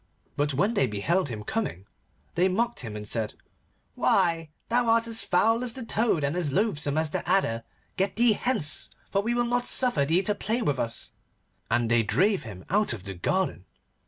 But when they beheld him coming, they mocked him and said, 'Why, thou art as foul as the toad, and as loathsome as the adder. Get thee hence, for we will not suffer thee to play with us,' and they drave him out of the garden.